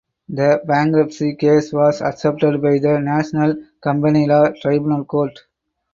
The bankruptcy case was accepted by the National Company Law Tribunal court.